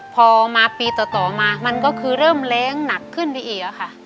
พอมาปีต่อมามันก็คือเริ่มแรงหนักขึ้นไปอีกค่ะ